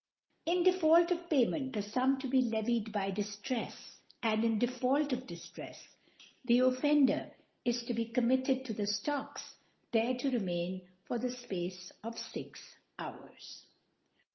In Default of Payment,, the Sum * to be levied by Diftrefs, and, in Default * Eacbard, p. 88. * of ( 22 )* of Diftrefs, the Offender is to be com * mitted to the Stocks, there to remain for * the Space of fix Hours *.